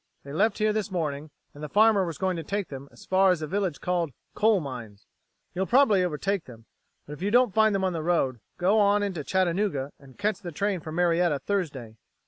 They left here this morning, and the farmer was going to take them as far as a village called Coal Mines. You'll probably overtake them, but if you don't find them on the road, go into Chattanooga and catch the train for Marietta Thursday.